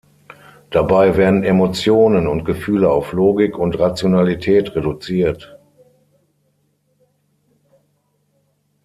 Dabei werden Emotionen und Gefühle auf Logik und Rationalität reduziert.